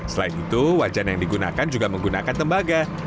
selain itu wajan yang digunakan juga menggunakan tembaga